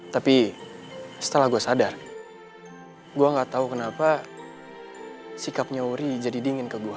tapi setelah gue sadar gue gak tau kenapa sikapnya uri jadi dingin ke gue